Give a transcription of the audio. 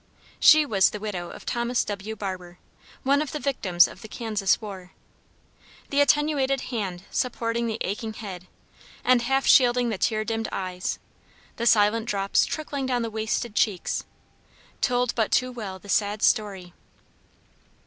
She was the widow of Thomas W. Barber, one of the victims of the Kansas war. The attenuated hand supporting the aching head, and half shielding the tear dimmed eyes, the silent drops trickling down the wasted cheeks, told but too well the sad story.